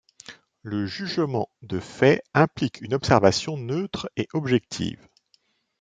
Le jugement de fait implique une observation neutre et objective.